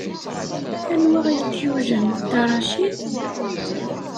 Anwa ay k-yullen? D Dda Racid.